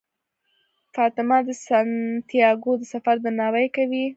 فاطمه د سانتیاګو د سفر درناوی کوي.